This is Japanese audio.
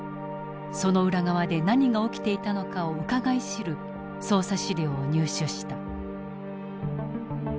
その裏側で何が起きていたのかをうかがい知る捜査資料を入手した。